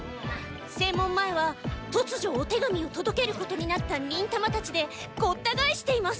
正門前はとつじょお手紙を届けることになった忍たまたちでごった返しています。